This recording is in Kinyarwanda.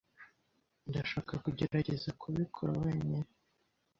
Ndashaka kugerageza kubikora wenyine.